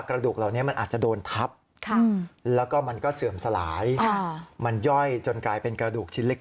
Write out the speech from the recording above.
กระดูกเหล่านี้มันอาจจะโดนทับแล้วก็มันก็เสื่อมสลายมันย่อยจนกลายเป็นกระดูกชิ้นเล็ก